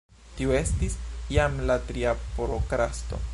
Tiu estis jam la tria prokrasto.